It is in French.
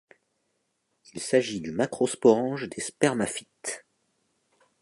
Il s'agit du macrosporange des Spermaphytes.